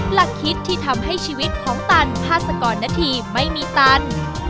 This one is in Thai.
หลักคิดที่ทำให้ชีวิตของตันผ่าสก่อนนาทีไม่มีเต็ม